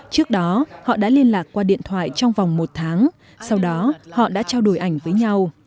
trước đó họ đã liên lạc qua điện thoại trong vòng một tháng sau đó họ đã trao đổi ảnh với nhau